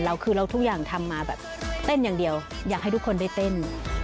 แล้วคือเราทุกอย่างทำมาแบบเต้นอย่างเดียวอยากให้ทุกคนได้เต้น